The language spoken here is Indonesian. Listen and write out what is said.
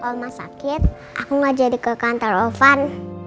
kalau ma sakit aku nggak jadi ke kantor ovan